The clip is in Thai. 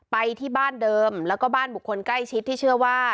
ไปที่บ้านเดิมแล้วก็บ้านบุคคลใกล้ชิดที่เชื่อว่า